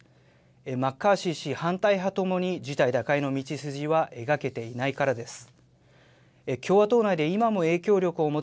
マッカーシー氏、反対派ともに、事態打開の道筋は描けていないからです。